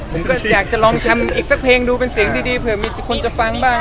ผมก็อยากจะลองทำอีกสักเพลงดูเป็นเสียงดีเผื่อมีคนจะฟังบ้าง